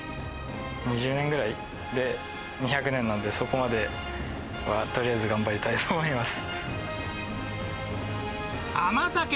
２０年ぐらいで２００年なんで、そこまではとりあえず頑張りたいと思います。